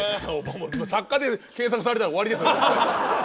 作家で検索されたら終わり。